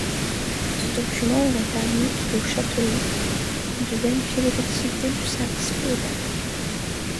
Ce document aurait permis au châtelain de vérifier l'effectivité du service féodal.